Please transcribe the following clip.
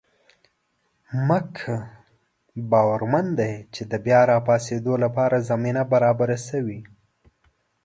مح ق باورمن دی چې د بیا راپاڅېدو لپاره زمینه برابره شوې.